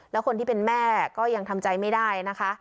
แล้วคนที่เป็นแม่ก็ยังทำใจไม่ได้นะคะ